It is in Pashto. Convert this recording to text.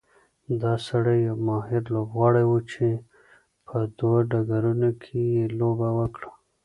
دا سړی یو ماهر لوبغاړی و چې په دوه ډګرونو کې یې لوبه وکړه.